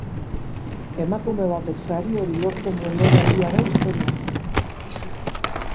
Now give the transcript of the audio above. Emakume batek sari hori lortzen duen lehen aldia da historian.